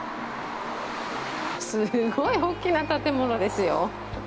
すごい大きな建物ですよ！